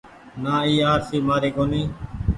نآ اي آرسي مآري ڪونيٚ ۔